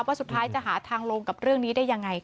ว่าสุดท้ายจะหาทางลงกับเรื่องนี้ได้ยังไง